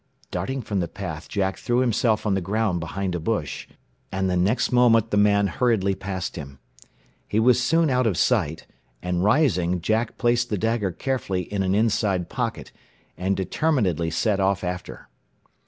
Darting from the path Jack threw himself on the ground behind a bush, and the next moment the man hurriedly passed him. He was soon out of sight, and rising, Jack placed the dagger carefully in an inside pocket, and determinedly set off after.